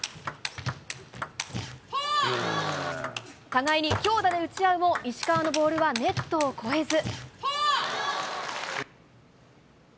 互いに強打で打ち合うも、石川のボールはネットを越えず。